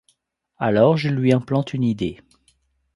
Alors je lui implante une idée.